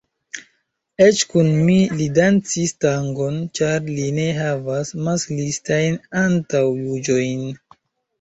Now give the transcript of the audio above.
Eĉ kun mi li dancis tangon, ĉar li ne havas masklistajn antaŭjuĝojn.